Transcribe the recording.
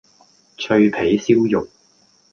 脆皮燒肉